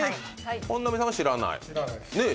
本並さんは知らない。